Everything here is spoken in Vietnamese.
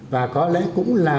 và có lẽ cũng là